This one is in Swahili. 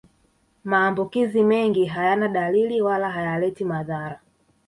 Maambukizi mengi hayana dalili wala hayaleti madhara